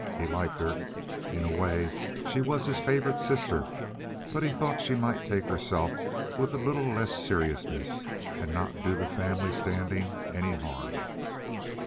He liked her—in a way she was his favorite sister—but he thought she might take herself with a little less seriousness and not do the family standing any harm.